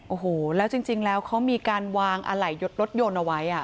โอ้โหแล้วจริงแล้วเขามีการวางอะไหล่ยดรถยนต์เอาไว้